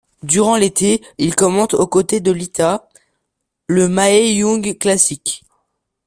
Durant l'été il commente, aux côtés de Lita, le Mae Young Classic.